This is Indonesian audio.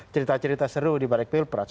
cerita cerita seru di balik pilpres